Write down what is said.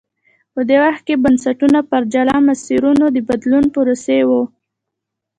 په دې وخت کې بنسټونه پر جلا مسیرونو د بدلون پروسې ووه.